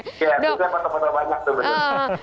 ya juga foto foto banyak tuh